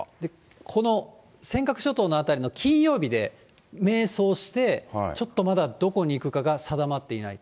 この尖閣諸島の辺りの金曜日で迷走して、ちょっとまだどこに行くかが定まっていない。